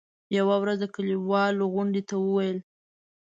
يوه ورځ د کلیوالو غونډې ته وویل.